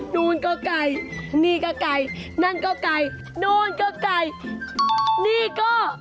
นู่นก็ไก่นี่ก็ไก่นั่นก็ไก่นู่นก็ไก่นี่ก็